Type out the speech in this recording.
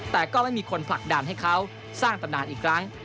แต่ก็ไม่มีคนผลักดันให้เขาสร้างตำนานอีกครั้ง